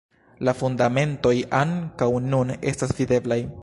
La fundamentoj ankaŭ nun estas videblaj.